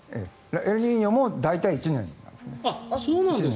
エルニーニョも大体１年です。